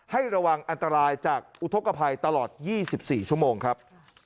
ให้ระวังอันตรายจากอุทธกภัยตลอด๒๔ชั่วโมงครับ